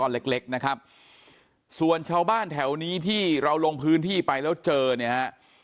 เล็กเล็กนะครับส่วนชาวบ้านแถวนี้ที่เราลงพื้นที่ไปแล้วเจอเนี่ยฮะ